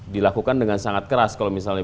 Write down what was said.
dilakukan dengan sangat keras kalau misalnya